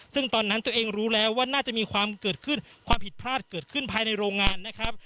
ซึ่งตอนนั้นตัวเองรู้แล้วว่าน่าจะมีความเกิดขึ้นความผิดพลาดเกิดขึ้นภายในโรงงานนะครับ